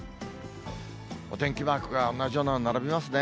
お天気マークが同じようなの並びますね。